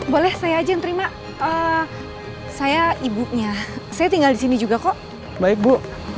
boleh saya aja yang terima saya ibunya saya tinggal di sini juga kok baik bu